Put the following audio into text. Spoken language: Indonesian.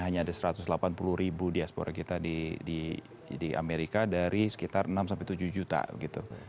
hanya ada satu ratus delapan puluh ribu diaspora kita di amerika dari sekitar enam sampai tujuh juta gitu